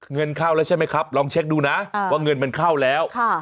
เงินเข้าแล้วใช่ไหมครับลองเช็คดูนะว่าเงินมันเข้าแล้ว